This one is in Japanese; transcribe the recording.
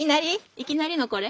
いきなりのこれ？